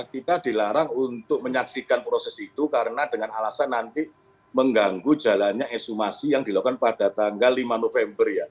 kita dilarang untuk menyaksikan proses itu karena dengan alasan nanti mengganggu jalannya ekshumasi yang dilakukan pada tanggal lima november ya